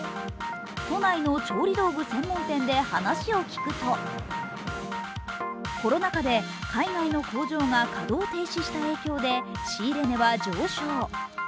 都内の調理道具専門店で話を聞くとコロナ禍で海外の工場が稼働停止した影響で仕入れ値は上昇。